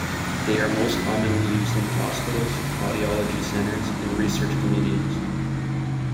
They are most commonly used in hospitals, audiology centers and research communities.